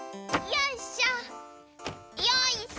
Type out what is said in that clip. よいしょ！